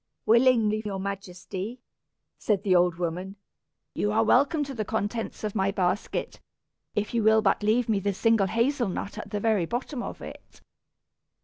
"Willingly, your Majesty," said the old woman. "You are welcome to the contents of my basket, if you will but leave me the single hazel nut at the very bottom of it."